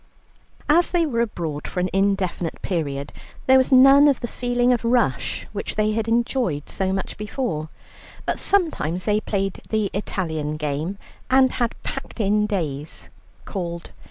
As they were abroad for an indefinite period, there was none of the feeling of rush, which they had enjoyed so much before, but sometimes they played the Italian game, and had packed in days; called, 6.